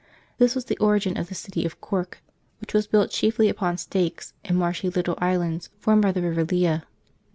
This was the origin of the city of Cork, which was built chiefly upon stakes, in marshy little islands formed by the river Lea.